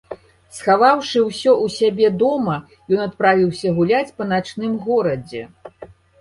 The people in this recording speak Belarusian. Схаваўшы ўсё ў сябе дома, ён адправіўся гуляць па начным горадзе.